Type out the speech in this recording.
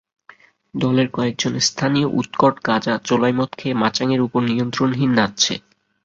দলের কয়েকজন স্থানীয় উৎকট গাঁজা, চোলাই মদ খেয়ে মাচাঙের উপর নিয়ন্ত্রণহীন নাচছে।